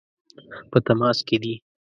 په تماس کې دي.